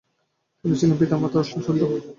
তিনি ছিলেন পিতা-মাতার অষ্টম সন্তান ।